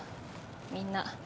みんな。